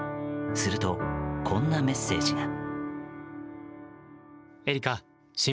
すると、こんなメッセージが。